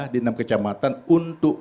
di enam kecamatan untuk